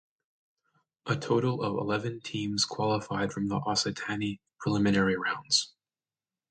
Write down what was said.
A total of eleven teams qualified from the Occitanie preliminary rounds.